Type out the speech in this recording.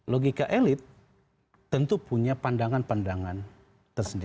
logika elit tentu punya pandangan pandangan tersendiri